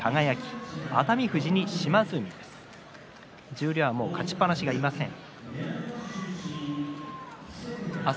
十両は、もう勝ちっぱなしがいません。